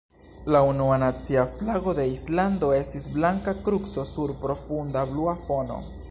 La unua nacia flago de Islando estis blanka kruco sur profunda blua fono.